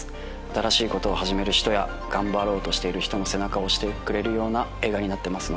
新しいことを始める人や頑張ろうとしている人の背中を押してくれる映画になってます